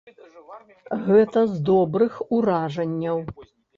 Гэта з добрых уражанняў.